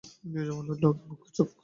নীরজা বলে উঠল, ওকে বকছ কেন।